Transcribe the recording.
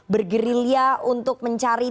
bergerilya untuk mencari